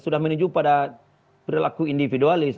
sudah menuju pada perilaku individualis